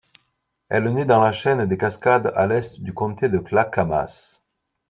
Elle nait dans la Chaîne des Cascades à l'est du Comté de Clackamas.